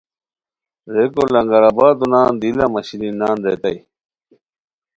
ریکو لنگرآبادو نان دی لہ مہ شیرین نان ریتائے